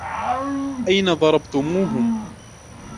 أين ضربتموهم ؟